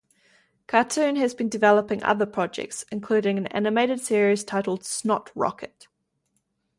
Cartoon has been developing other projects, including an animated series titled "Snotrocket".